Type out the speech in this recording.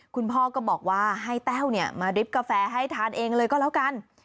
คุณพ่อก็บอกว่าให้แต้วมาริบกาแฟให้ทานเองเลยก็แล้วกัน